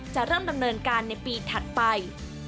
จะเริ่มดำเนินการในปีถัดไป